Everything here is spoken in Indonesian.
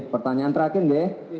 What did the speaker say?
pertanyaan terakhir g